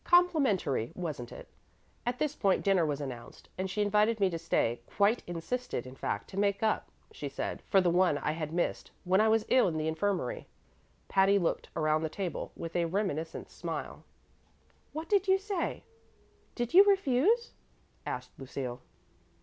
Complimentary, wasn't it? At this point dinner was announced, and she invited me to stay quite insisted, in fact, to make up, she said, for the one I had missed when I was ill in the infirmary." Patty looked around the table with a reminiscent smile. "What did you say? Did you refuse?" asked Lucille.